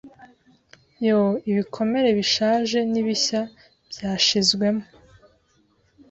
Yoo ibikomere bishaje nibishya byashizwemo